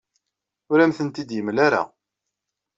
Ur am-tent-id-yemla ara.